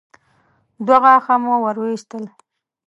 دوه غاښه مو ور وايستل.